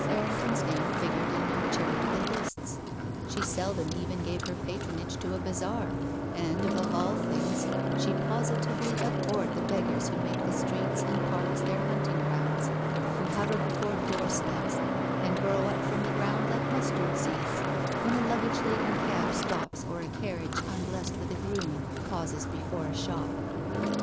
Erring ton's name figured in no charitable lists. She seldom even gave her patronage to a bazaar, and, above all things, she positively abhorred the beg gars who make the streets and parks their hunting grounds, who hover before doorsteps, and grow up from the ground, like mustard seeds, when a luggage laden cab stops or a carriage unblessed with a groom pauses before a shop.